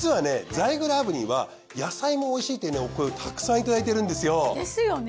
ザイグル炙輪は野菜もおいしいっていうお声をたくさんいただいてるんですよ。ですよね。